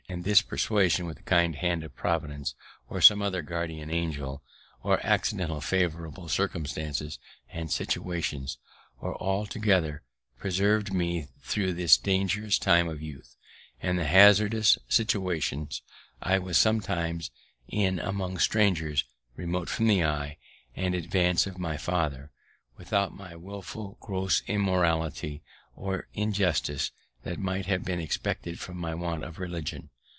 And this persuasion, with the kind hand of Providence, or some guardian angel, or accidental favourable circumstances and situations, or all together, preserved me, thro' this dangerous time of youth, and the hazardous situations I was sometimes in among strangers, remote from the eye and advice of my father, without any willful gross immorality or injustice, that might have been expected from my want of religion.